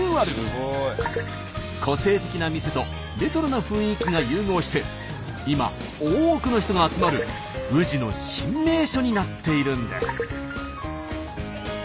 個性的な店とレトロな雰囲気が融合して今多くの人が集まる宇治の新名所になっているんです。